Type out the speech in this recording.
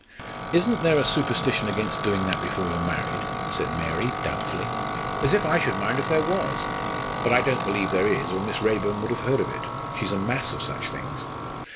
"Isn't there a superstition against doing that before you're married?" said Mary, doubtfully. "As if I should mind if there was! But I don't believe there is, or Miss Raeburn would have heard of it. She's a mass of such things.